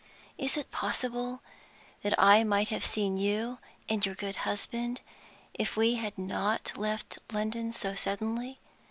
Is it possible that I might have seen you and your good husband if we had not left London so suddenly?